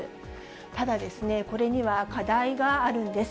ただですね、これには課題があるんです。